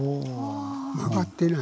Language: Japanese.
曲がってない。